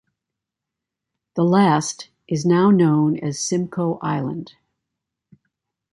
The last is now known as Simcoe Island.